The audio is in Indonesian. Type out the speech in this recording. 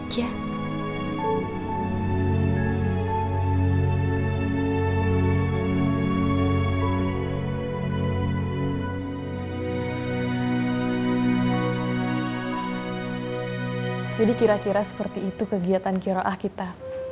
jadi kira kira seperti itu kegiatan kira kira kita